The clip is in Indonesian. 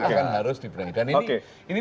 yang akan harus diperoleh dan ini